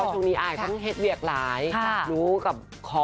ช่วงนี้อายทั้งเห็ดเวียกหลายรู้กับคอ